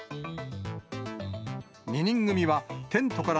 ２人組はテントから